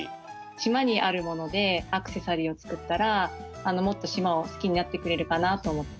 しまにあるものでアクセサリーをつくったらもっとしまをすきになってくれるかなとおもって。